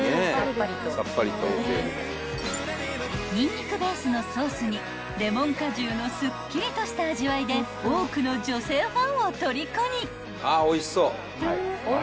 ［にんにくベースのソースにレモン果汁のすっきりとした味わいで多くの女性ファンをとりこに！］